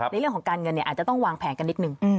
ในเรื่องของการเงินอาจจะต้องวางแผนกันนิดนึง